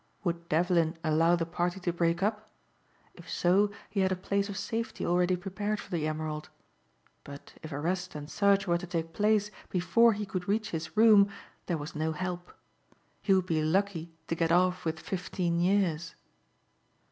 Would Devlin allow the party to break up? If so he had a place of safety already prepared for the emerald. But if arrest and search were to take place before he could reach his room there was no help. He would be lucky to get off with fifteen years.